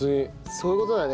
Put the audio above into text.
そういう事だね。